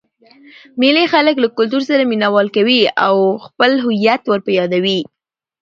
مېلې خلک له کلتور سره مینه وال کوي او خپل هويت ور په يادوي.